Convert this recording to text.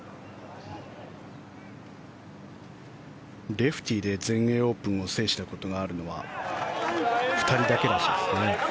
レフティーで全英オープンを制したことがあるのは２人だけだそうですね。